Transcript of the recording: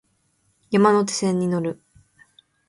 山手線に乗る